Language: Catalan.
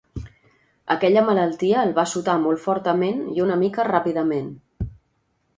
Aquella malaltia el va assotar molt fortament i una mica ràpidament.